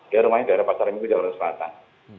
ya rumahnya di pasar minggu jawa selatan